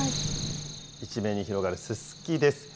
一面に広がるススキです。